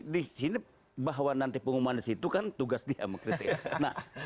di sini bahwa nanti pengumuman di situ kan tugas dia mengkritik